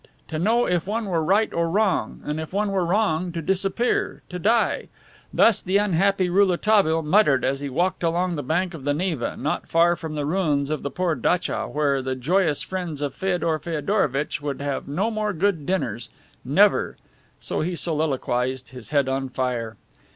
To know if one were right or wrong and if one were wrong, to disappear, to die! Thus the unhappy Rouletabille muttered as he walked along the bank of the Neva, not far from the ruins of the poor datcha, where the joyous friends of Feodor Feodorovitch would have no more good dinners, never; so he soliloquized, his head on fire.